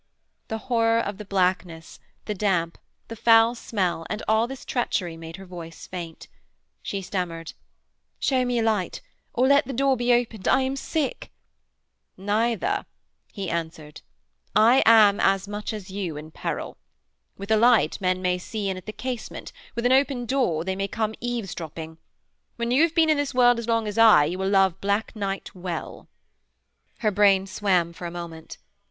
The horror of the blackness, the damp, the foul smell, and all this treachery made her voice faint. She stammered: 'Shew me a light, or let the door be opened. I am sick.' 'Neither,' he answered. 'I am as much as you in peril. With a light men may see in at the casement; with an open door they may come eavesdropping. When you have been in this world as long as I you will love black night as well.' Her brain swam for a moment.